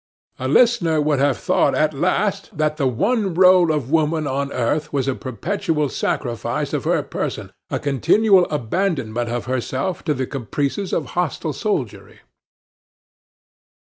A listener would have thought at last that the one role of woman on earth was a perpetual sacrifice of her person, a continual abandonment of herself to the caprices of a hostile soldiery.